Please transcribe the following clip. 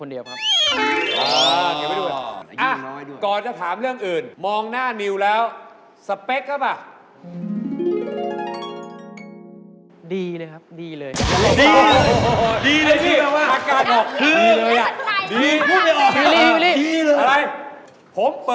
เดี๋ยวไม่ให้ดูคนเดียวครับ